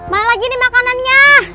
mau lagi nih makanannya